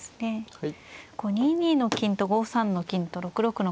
はい。